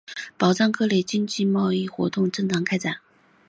保障各类经贸活动正常开展